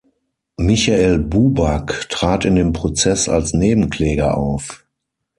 Michael Buback trat in dem Prozess als Nebenkläger auf.